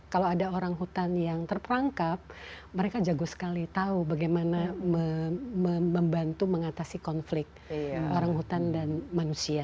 kalau ada orang hutan yang terperangkap mereka jago sekali tahu bagaimana membantu mengatasi konflik orang hutan dan manusia